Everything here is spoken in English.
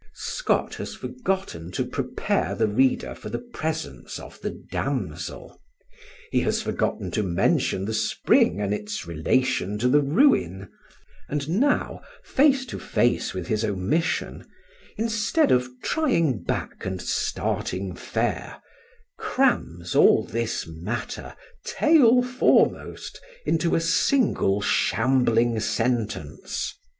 Scott has forgotten to prepare the reader for the presence of the "damsel"; he has forgotten to mention the spring and its relation to the ruin; and now, face to face with his omission, instead of trying back and starting fair, crams all this matter, tail foremost, into a single shambling sentence.